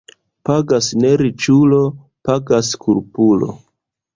Pagas ne riĉulo, pagas kulpulo.